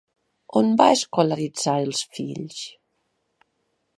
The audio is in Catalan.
On va escolaritzar els fills?